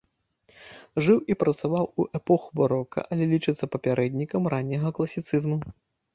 Жыў і працаваў у эпоху барока, але лічыцца папярэднікам ранняга класіцызму.